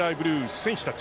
選手たち。